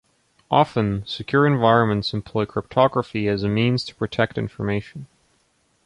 Often, secure environments employ cryptography as a means to protect information.